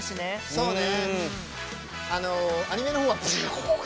そうだね。